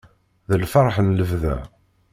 D lferḥ n lebda.